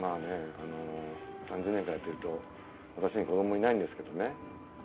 あの３０年間やってると私に子供いないんですけどね